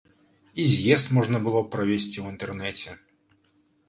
І з'езд можна было б правесці ў інтэрнэце.